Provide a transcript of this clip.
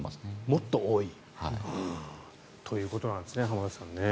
もっと多いということなんですね浜田さん。